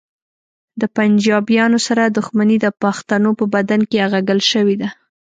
د پنجابیانو سره دښمني د پښتنو په بدن کې اغږل شوې ده